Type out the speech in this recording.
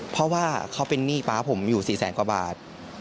เพราะว่าเขาเป็นหนี้ป๊าผมอยู่๔แสนกว่าบาท